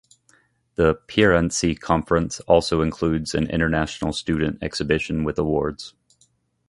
The Piranesi conference also includes an international student exhibition with awards.